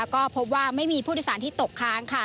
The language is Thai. ก็พบว่าไม่มีผู้โดยสารที่ตกค้าง